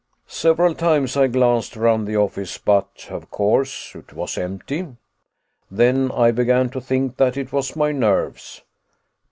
"Several times I glanced around the office, but of course it was empty. Then I began to think that it was my nerves."